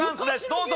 どうぞ！